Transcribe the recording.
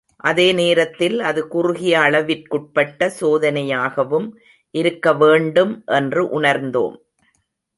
அதே நேரத்தில் அது குறுகிய அளவிற்குட்பட்ட சோதனையாகவும் இருக்கவேண்டும் என்று உணர்ந்தோம்.